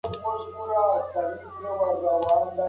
آیا ثمرګل د خپل زوی په خبرو کې د هغه راتلونکی لیدلی و؟